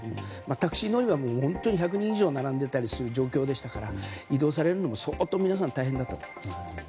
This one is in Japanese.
タクシー乗り場にも本当に１００人以上並んでいたりする状況でしたから移動されるのも、相当皆さん大変だったお思います。